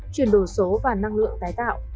chuyển đổi số và năng lượng tái tạo